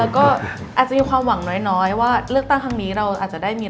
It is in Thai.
แล้วก็อาจจะมีความหวังน้อยว่าเลือกตั้งครั้งนี้เราอาจจะได้มี